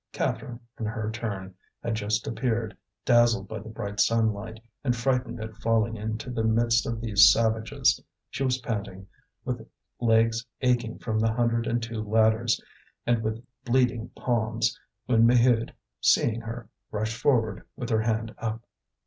Catherine, in her turn, had just appeared, dazzled by the bright sunlight, and frightened at falling into the midst of these savages. She was panting, with legs aching from the hundred and two ladders, and with bleeding palms, when Maheude, seeing her, rushed forward with her hand up.